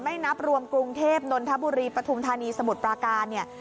ไม่นับรวมกรุงเทพฯนนทบุรีประธุมธานีสมุดปลาการ